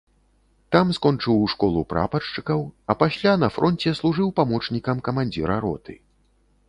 Там скончыў школу прапаршчыкаў, а пасля, на фронце служыў памочнікам камандзіра роты.